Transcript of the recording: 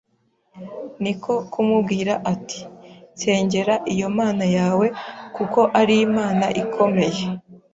niko kumubwira ati:” Nsengera Iyo Mana yawe, kuko ari Imana ikomeye